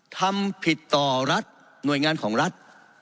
ทำผิดต่อรัฐหน่วยงานของรัฐ